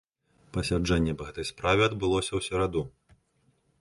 Пасяджэнне па гэтай справе адбылося ў сераду.